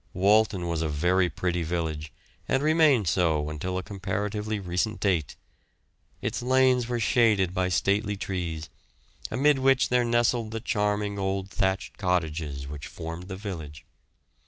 Walton was a very pretty village, and remained so until a comparatively recent date; its lanes were shaded by stately trees, amid which there nestled the charming old thatched cottages which formed the village.